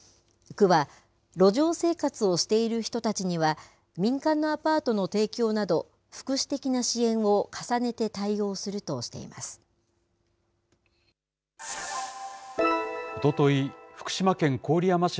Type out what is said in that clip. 区は、路上生活をしている人たちには、民間のアパートの提供など、福祉的な支援を重ねて対応するとしています。